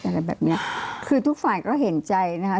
อะไรแบบเนี้ยคือทุกฝ่ายก็เห็นใจนะคะ